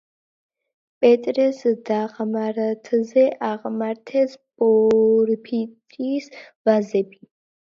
პეტრეს დაღმართზე აღმართეს პორფირის ვაზები.